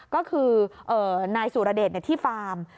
ก็คือนายสุรเดชที่ฟาร์ม